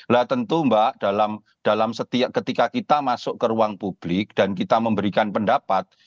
nah tentu mbak dalam setiap ketika kita masuk ke ruang publik dan kita memberikan pendapat